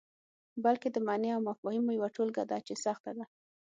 بلکې د معني او مفاهیمو یوه ټولګه ده چې سخته ده.